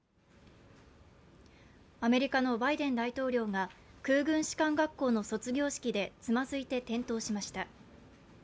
アメリカのバイデン大統領が空軍士官学校の卒業式でつまずいて転倒しました。